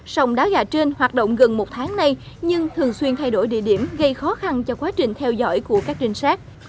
sông đá gà trên hoạt động gần một tháng nay nhưng thường xuyên thay đổi địa điểm gây khó khăn cho quá trình theo dõi của các trinh sát